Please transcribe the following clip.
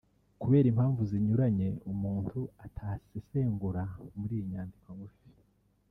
kubera impamvu zinyuranye umuntu atasesengura muri iyi nyandiko ngufi)